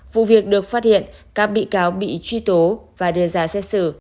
vụ việc được phát hiện các bị cáo bị truy tố và đưa ra xét xử